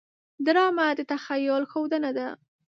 ډرامه د تخیل ښودنه ده